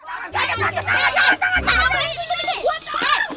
tangan jangan jangan jangan jangan